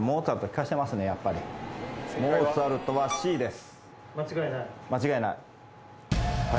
モーツァルトはＣです。